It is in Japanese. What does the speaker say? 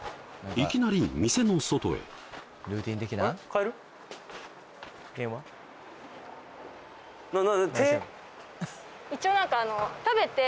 いきなり店の外へ何？